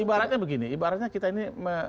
ibaratnya begini ibaratnya kita ini